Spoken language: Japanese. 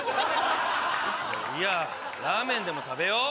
ラーメンでも食べよう！